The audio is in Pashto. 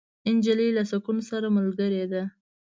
نجلۍ له سکون سره ملګرې ده.